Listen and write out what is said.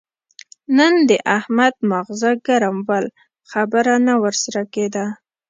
نن د احمد ماغزه ګرم ول؛ خبره نه ور سره کېده.